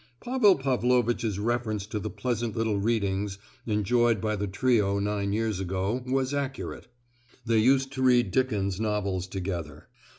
Pavel Pavlovitch's reference to the pleasant little readings enjoyed by the trio nine years ago was accurate; they used to read Dickens' novels together.